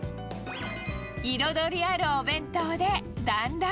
彩りあるお弁当で団らん。